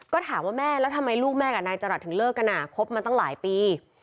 ก็ถามว่าแม่แล้วทำไมลูกแม่กับนายจรัสถึงเลิกกันคบมาตั้งหลายปี